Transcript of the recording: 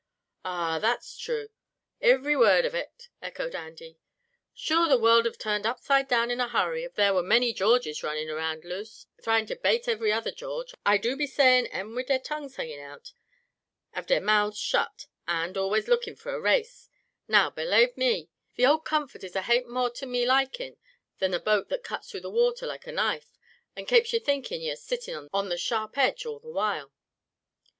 "Arrah! that's thrue, ivery word av it," echoed Andy. "Sure the world'd be turned upside down in a hurry, av there were many Georges runnin' around loose, thryin' to bate ivery other George. I do be sayin' 'em wid their tongues hangin' out av their mouths and, always lookin' for a race. Now, belave me the ould Comfort is a hape more to me likin' than a boat that cuts through the wather loike a knife; and kapes ye thinkin' ye are sittin' on the sharp edge all the while."